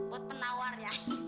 buat penawar ya